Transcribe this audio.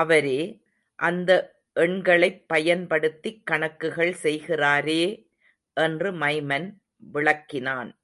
அவரே, அந்த எண்களைப் பயன்படுத்திக் கணக்குகள் செய்கிறாரே! என்று மைமன் விளக்கினான்.